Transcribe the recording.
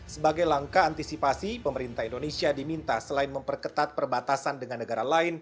sebagai langkah antisipasi pemerintah indonesia diminta selain memperketat perbatasan dengan negara lain